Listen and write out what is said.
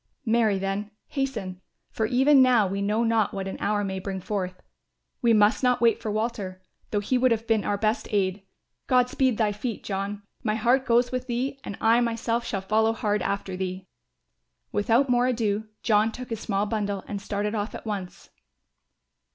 "Marry then, hasten; for, even now we know not what an hour may bring forth. We must not wait for Walter, though he would have been our best aid. God speed thy feet, John; my heart goes with thee and I myself shall follow hard after thee." Without more ado John took his small bundle and started off at once.